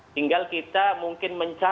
tinggal kita mungkin mencoba